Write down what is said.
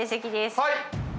はい！